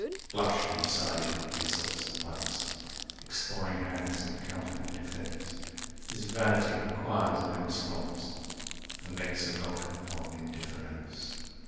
Flushed and decided, he assaults at once; Exploring hands encounter no defence; 240 His vanity requires no response, And makes a welcome of indifference.